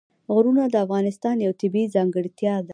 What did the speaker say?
غرونه د افغانستان یوه طبیعي ځانګړتیا ده.